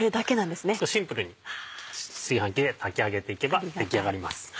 すごいシンプルに炊飯器で炊き上げていけば出来上がります。